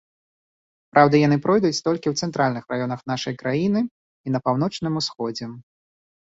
Праўда, яны пройдуць толькі ў цэнтральных раёнах нашай краіны і на паўночным усходзе.